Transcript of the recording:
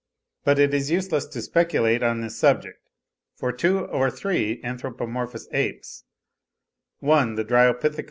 But it is useless to speculate on this subject; for two or three anthropomorphous apes, one the Dryopithecus (17.